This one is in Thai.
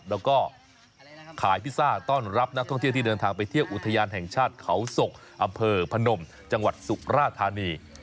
แล้วก็ขายพิซซ่าต้อนรับนักท่องเที่ยวที่เดินทางไปเที่ยวอุทยานแห่งชาติเขาศกอำเภอพนมจังหวัดสุราธานี